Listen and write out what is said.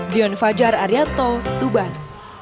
dion fajar arianto tuban